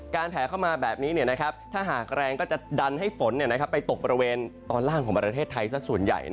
แผลเข้ามาแบบนี้ถ้าหากแรงก็จะดันให้ฝนไปตกบริเวณตอนล่างของประเทศไทยสักส่วนใหญ่